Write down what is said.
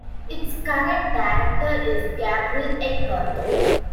Its current director is Gabriel Eckert.